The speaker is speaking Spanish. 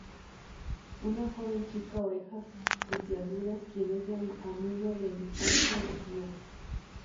Una joven chica orejas puntiagudas quien es la amiga de infancia de Gear.